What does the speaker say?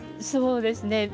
そうですね。